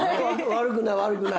悪くない悪くない。